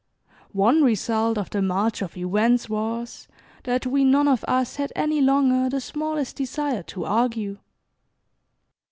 One result of the march of events was that we none of us had any longer the smallest desire to argue.